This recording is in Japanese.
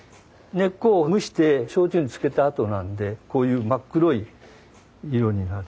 根っこを蒸して焼酎に漬けたあとなんでこういう真っ黒い色になる。